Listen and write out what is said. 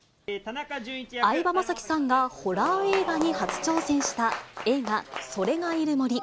相葉雅紀さんがホラー映画に初挑戦した映画、それがいる森。